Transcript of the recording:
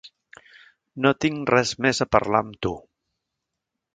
No tinc res més a parlar amb tu.